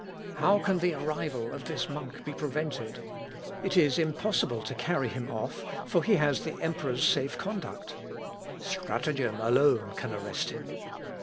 How can the arrival of this monk be prevented? It is impossible to carry him off, for he has the emperor's safe conduct. Stratagem alone can arrest him.